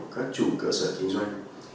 các chủ cơ sở kinh doanh